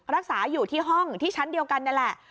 รักษาอยู่ที่ห้องที่ชั้นเดียวกันนี่แหละ